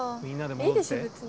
いいでしょ別に。